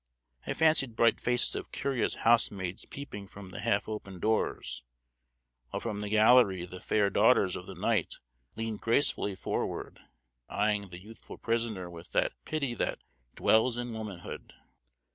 I fancied bright faces of curious housemaids peeping from the half opened doors, while from the gallery the fair daughters of the knight leaned gracefully forward, eyeing the youthful prisoner with that pity "that dwells in womanhood."